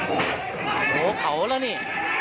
โอ้โหเขาแล้วเนี่ย